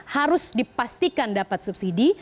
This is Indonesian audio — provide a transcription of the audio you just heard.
harus dipastikan dapat subsidi